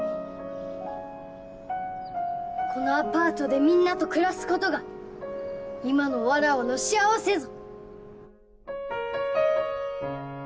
このアパートでみんなと暮らす事が今のわらわの幸せぞ！